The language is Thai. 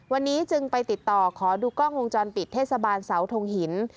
วันนี้จึงไปติดต่อขอดูกล้องวงจรปิดเทศบาลเสาทงหิน